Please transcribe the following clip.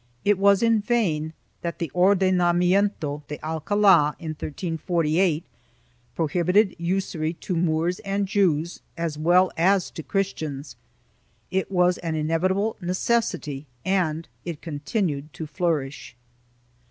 It was in vain that the Ordenamiento de Alcala, in 1348, prohibited usury to Moors and Jews as well as to Christians; it was an inevitable necessity and it continued to flourish.